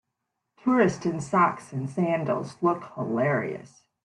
Tourists in socks and sandals look hilarious.